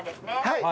はい。